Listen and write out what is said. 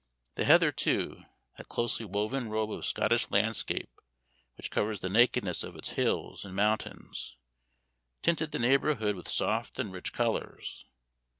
The heather, too, that closely woven robe of Scottish landscape which covers the nakedness of its hills and mountains, tinted the neighborhood with soft and rich colors.